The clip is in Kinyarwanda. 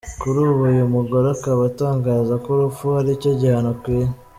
Kuri ubu uyu mugore akaba atangaza ko urupfu aricyo gihano akwiye.